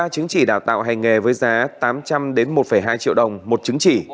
ba chứng chỉ đào tạo hành nghề với giá tám trăm linh một hai triệu đồng một chứng chỉ